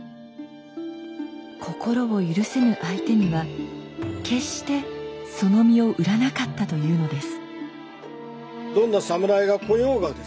心を許せぬ相手には決してその身を売らなかったというのです。